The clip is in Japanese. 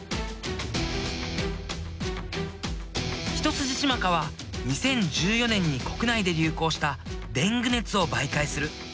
ヒトスジシマカは２０１４年に国内で流行したデング熱を媒介する。